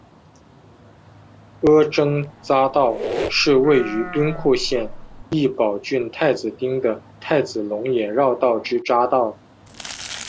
阿曾匝道是位于兵库县揖保郡太子町的太子龙野绕道之匝道。